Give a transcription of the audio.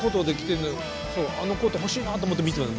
あのコート欲しいなと思って見てます